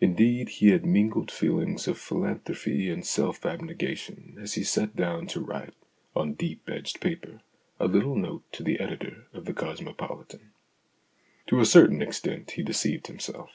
Indeed he had mingled feelings of philan thropy and self abnegation as he sat down to write (on deep edged paper) a little note to the editor of The Cosmopolitan. To a certain extent he deceived himself.